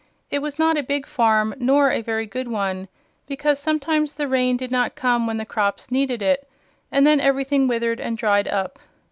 It was not a big farm, nor a very good one, because sometimes the rain did not come when the crops needed it, and then everything withered and dried up.